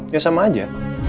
ya sama aja